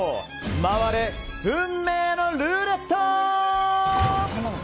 回れ、運命のルーレット！